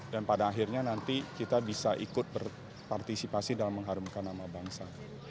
dan pada akhirnya nanti kita bisa ikut berpartisipasi dalam mengharumkan nama bangsa